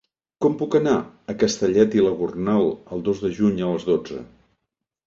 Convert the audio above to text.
Com puc anar a Castellet i la Gornal el dos de juny a les dotze?